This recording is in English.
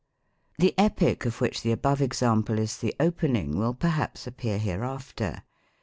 The Epic of which the above example is the opening, will perhaps appear hereafter.